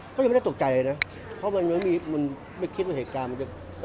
เขายังไม่ได้ตกใจเลยนะเพราะมันยังไม่มีมันไม่คิดว่าเหตุการณ์มันจะ